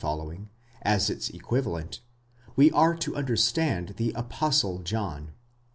is its equivalent, we are to understand the Apostle John.